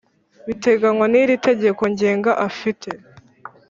biteganywa n iri tegeko ngenga afite